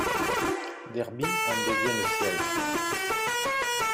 Derby en devient le siège.